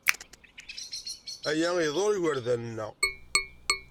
Aya iḍurr igerdan-nneɣ.